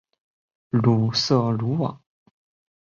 鲁瑟卢瓦。